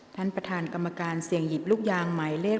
ท่านประธานกรรมการเสี่ยงหยิบลูกยางหมายเลข